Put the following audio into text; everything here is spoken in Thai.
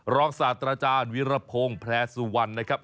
ศาสตราจารย์วิรพงศ์แพร่สุวรรณนะครับ